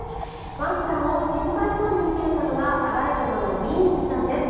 ワンちゃんを心配そうに見ていたのがアライグマのビーンズちゃんです。